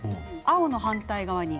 赤の反対側に緑。